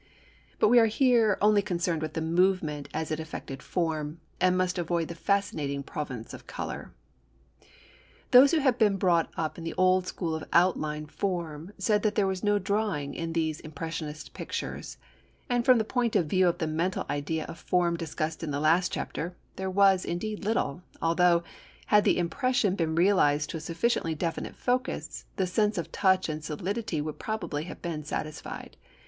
But we are here only concerned with the movement as it affected form, and must avoid the fascinating province of colour. Those who had been brought up in the old school of outline form said there was no drawing in these impressionist pictures, and from the point of view of the mental idea of form discussed in the last chapter, there was indeed little, although, had the impression been realised to a sufficiently definite focus, the sense of touch and solidity would probably have been satisfied.